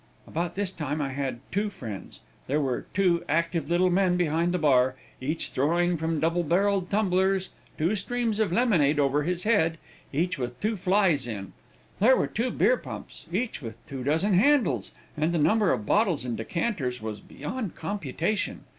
About this time I had two friends; there were two active little men behind the bar, each throwing from double barrelled tumblers two streams of lemonade over his head, each with two flies in. There were two beer pumps, each with two dozen handles, and the number of bottles and decanters was beyond computation.